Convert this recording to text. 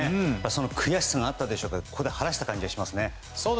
その悔しさがあったでしょうけどここで晴らした感じがしますね。